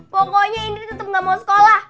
pokoknya indri tetep gak mau sekolah